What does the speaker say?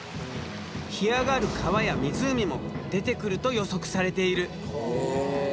干上がる川や湖も出てくると予測されている。